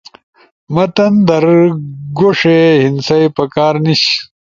متن در گوݜے ہندسئی پکار نیِش